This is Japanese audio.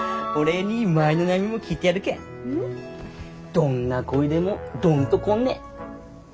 どんな恋でもどんとこんね！